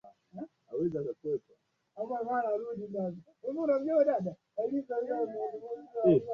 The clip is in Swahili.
Makabila mengine yaliyopo mkoani ni Wazanaki Wangoreme Wasuba